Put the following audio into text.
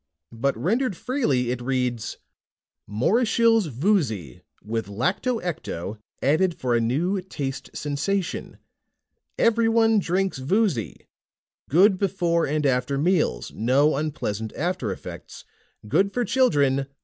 But rendered freely, it reads: MORISHILLE'S VOOZY, WITH LACTO ECTO ADDED FOR A NEW TASTE SENSATION. EVERYONE DRINKS VOOZY. GOOD BEFORE AND AFTER MEALS, NO UNPLEASANT AFTER EFFECTS. GOOD FOR CHILDREN!